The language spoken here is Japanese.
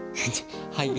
はい。